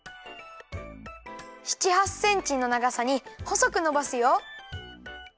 ７８センチのながさにほそくのばすよ。